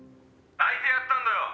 「抱いてやったんだよ！